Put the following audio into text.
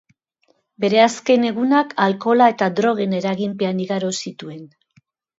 Bere azken egunak alkohola eta drogen eraginpean igaro zituen.